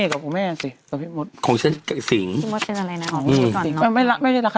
แล้วเขาดูอะไรกันหรือไม่อยากรู้